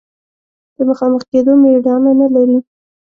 د مخامخ کېدو مېړانه نه لري.